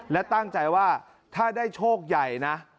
และตั้งใจว่าถ้าได้โชคใหญ่นะ